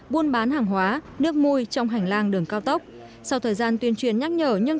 buôn bán hàng hóa nước mùi trong hành lang đường cao tốc sau thời gian tuyên truyền nhắc nhở nhưng